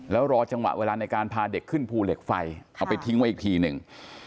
แล้วรอจังหวะเวลาในการพาเด็กขึ้นภูเหล็กไฟเอาไปทิ้งไว้อีกทีหนึ่ง